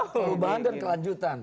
perubahan dan kelanjutan